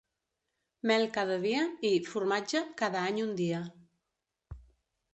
Mel cada dia, i, formatge, cada any un dia.